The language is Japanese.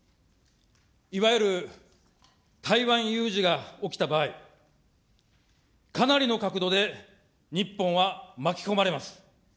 いわゆる台湾有事が起きた場合、かなりの確度で日本は巻き込まれます。